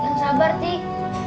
jangan sabar titik